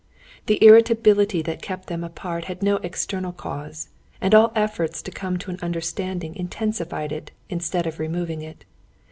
The irritability that kept them apart had no external cause, and all efforts to come to an understanding intensified it, instead of removing it.